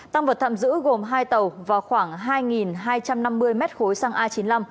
tăng vật thạm giữ gồm hai tàu và khoảng hai hai trăm năm mươi mét khối xăng a chín mươi năm